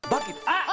あっ！